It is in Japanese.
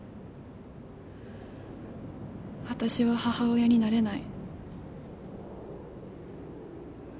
私は母親になれない。